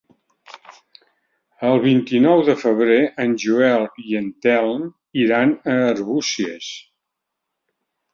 El vint-i-nou de febrer en Joel i en Telm iran a Arbúcies.